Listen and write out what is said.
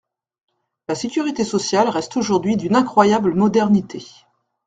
La Sécurité sociale reste aujourd’hui d’une incroyable modernité.